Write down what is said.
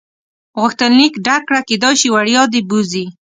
غوښتنلیک ډک کړه کېدای شي وړیا دې بوځي.